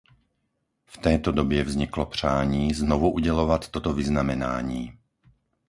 V této době vzniklo přání znovu udělovat toto vyznamenání.